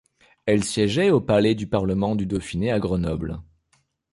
Elle siégeait au Palais du parlement du Dauphiné à Grenoble.